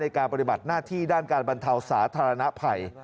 การปฏิบัติหน้าที่ด้านการบรรเทาสาธารณภัย